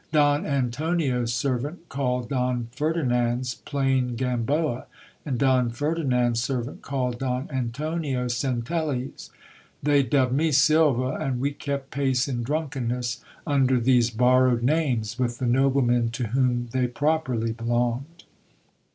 Don Antonio's servant called Don Ferdinand's plain Gamboa, and Don Ferdinand's servant called Don Antonio's Centelles : they dubbed me Silva ; and we kept pace in drunkenness, under these borrowed names, with the noblemen to whom they properly belonged.